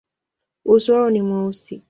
Uso wao ni mweusi.